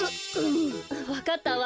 わかったわ。